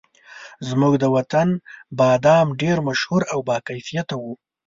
زموږ د وطن بادام ډېر مشهور او باکیفیته وو.